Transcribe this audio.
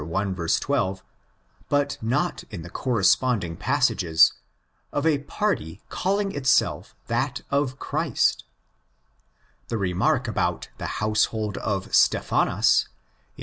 12), but not in the corresponding passages, of a party calling itself that of Christ; the remark about the household of Stephanas in 1.